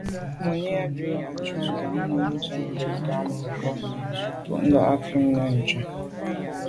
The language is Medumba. Mùní bə́ á tá'’jú zǎ nunm wîndə́ nə̀ tswə́ mə̀bró tɔ̌ yù tǔndá kā á nun sə̂' bû ncà.